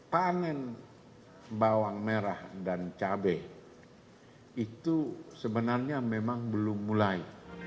panen bawang merah dan cabai itu sebenarnya memang belum mulai